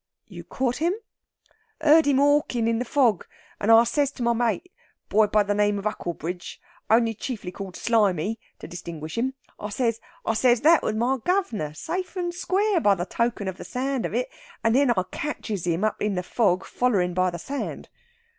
"You caught him?" "Heard him hoarckin' in the fog, and I says to my mate boy by the name of 'Ucklebridge, only chiefly called Slimy, to distinguish him I says I says that was my guv'nor, safe and square, by the token of the sound of it. And then I catches him up in the fog, follerin' by the sound.